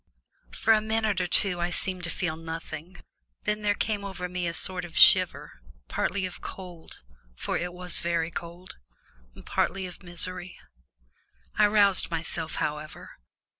For a minute or two I seemed to feel nothing; then there came over me a sort of shiver, partly of cold, for it was very cold, partly of misery. I roused myself, however.